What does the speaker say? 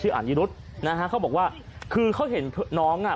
อ่านนิรุธนะฮะเขาบอกว่าคือเขาเห็นน้องอ่ะ